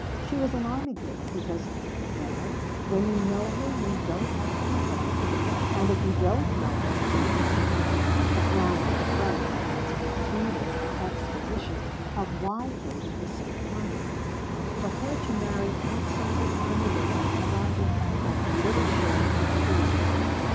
She was an army girl because "Well, when you know her, you don't have to be told, and if you don't know her you can't be," a floundering friend had once concluded her exposition of why Katie was so "army." For her to marry outside the army would be regarded as little short of treason.